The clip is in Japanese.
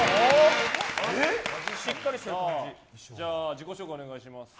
自己紹介をお願いします。